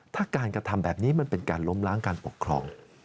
ถ้าการกระทำแบบนี้มันเป็นการล้มล้างการปกครอง